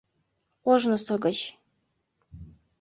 — Ожнысо гыч.